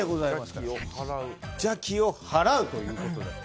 邪気を払うということで。